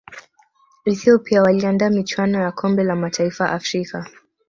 ethiopia waliandaa michuano ya kombe la mataifa afrika